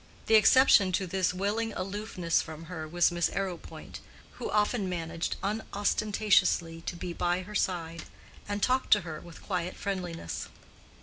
The exception to this willing aloofness from her was Miss Arrowpoint, who often managed unostentatiously to be by her side, and talked to her with quiet friendliness.